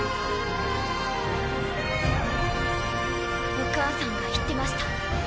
お母さんが言ってました。